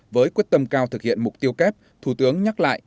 với quyết tâm cao thực hiện mục tiêu kép thủ tướng nhắc lại